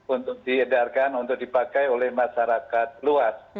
untuk diedarkan untuk dipakai oleh masyarakat luas